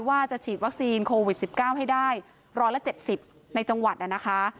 ว่าจะฉีดวัคซีนโควิด๑๙ให้ได้๑๗๐ในจังหวัดนะคะ